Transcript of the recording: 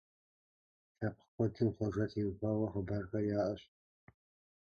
Лъэпкъ куэдым Хъуэжэ теухуа хъыбархэр яӀэщ.